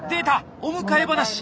お迎え話！